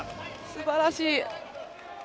すばらしい。